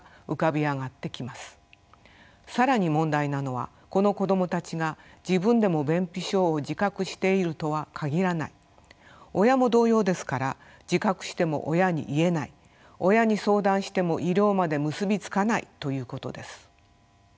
更に問題なのはこの子どもたちが自分でも便秘症を自覚しているとは限らない親も同様ですから自覚しても親に言えない親に相談しても医療まで結び付かないということです。